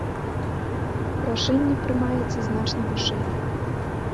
Рашэнне прымаецца значна вышэй.